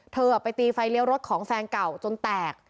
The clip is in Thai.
เธอไปตีไฟเลี้ยวรถของแฟนเก่าจนแตก